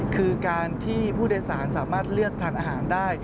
คือการที่ผู้โดยสารสามารถเลือกทานอาหารได้